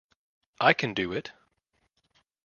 I Can Do It!